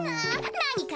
なにか？